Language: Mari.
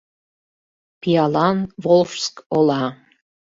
Пиалан Волжск ола